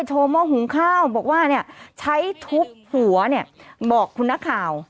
แถมโชว์หม้อหุงข้าวบอกว่าใช้ทุบหัวบอกคุณนักข่าว